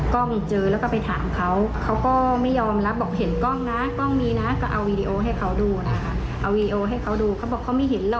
แค่เนี่ยเค้าเงินไม่เยอะแค่สองหมื่น